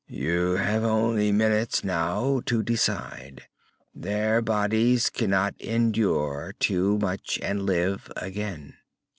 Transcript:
"You have only minutes now to decide! Their bodies cannot endure too much, and live again.